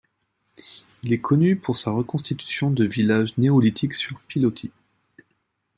Il est connu pour sa reconstitution de village néolithique sur pilotis.